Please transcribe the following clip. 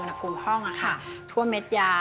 เป็นอุณหภูมิของนะครับทั่วเม็ดยา